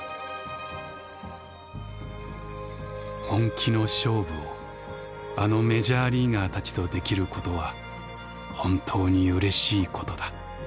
「本気の勝負をあのメジャーリーガーたちと出来ることは本当にうれしいことだ」。